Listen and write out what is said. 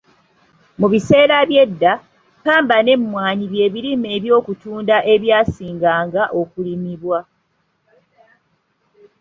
Mu biseera by’edda, ppamba n’emmwanyi bye birime eby’okutunda ebyasinga nga okulimibwa.